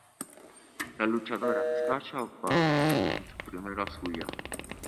La luchadora Sasha Banks es prima suya.